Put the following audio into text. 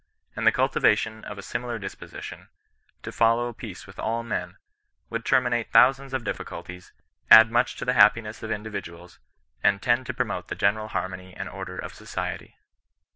And the cultivation of a similar dis position, * to follow peace with all men,' would terminate thousands of difficulties, add much to the happiness of individuals, and tend to promote the general harmony and order of society.